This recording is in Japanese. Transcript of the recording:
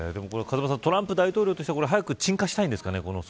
トランプ大統領としては鎮火したいんですかね。